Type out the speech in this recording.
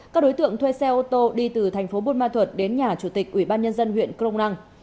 các đối tượng thuê xe ô tô đi từ thành phố buôn ma thuột đến nhà chủ tịch ubnd huyện crong nang